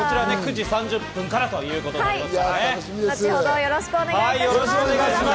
９時３０分からということです。